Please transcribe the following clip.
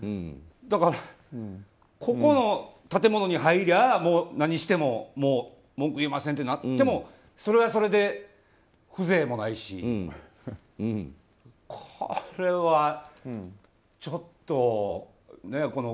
だから、ここの建物に入ったらもう何しても文句言えませんってなってもそれはそれで風情もないし。これは、ちょっとね。